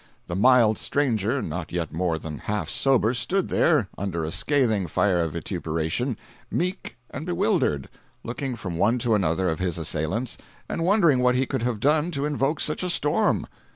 The mild stranger, not yet more than half sober, stood there, under a scathing fire of vituperation, meek and bewildered, looking from one to another of his assailants, and wondering what he could have done to invoke such a storm.